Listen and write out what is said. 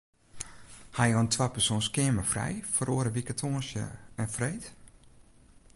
Ha jo in twapersoans keamer frij foar oare wike tongersdei en freed?